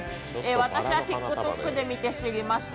私はＴｉｋＴｏｋで見て知りました。